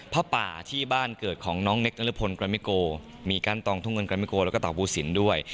ผ้าป่าที่บ้านเกิดของน้องเนคนรพลกรามิโกมีกั้นตองทุ่งเงินกรามิโกแล้วก็เต่าบูสินด้วย